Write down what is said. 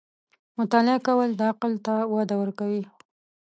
• مطالعه کول، د عقل ته وده ورکوي.